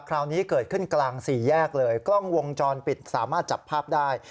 คราวนี้เกิดขึ้นกลางสี่แยกเลยกล้องวงจรปิดสามารถจับภาพได้